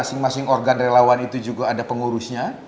masing masing organ relawan itu juga ada pengurusnya